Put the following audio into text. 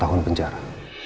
empat tahun penjara